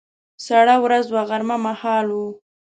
سړه ورځ وه، غرمه مهال و.